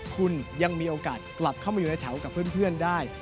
คุณยังมีโอกาสกลับเข้ามาอยู่ในแถวกับเพื่อนได้